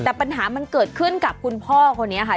แต่ปัญหามันเกิดขึ้นกับคุณพ่อคนนี้ค่ะ